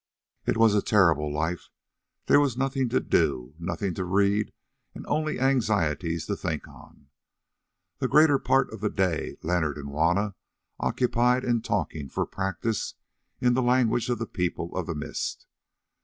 It was a terrible life; there was nothing to do, nothing to read, and only anxieties to think on. The greater part of the day Leonard and Juanna occupied in talking, for practice, in the language of the People of the Mist.